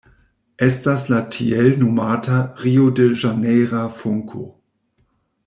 Estas la tiel nomata Rio-de-Ĵanejra Funko.